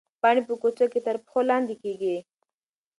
پاڼې په کوڅو کې تر پښو لاندې کېږي.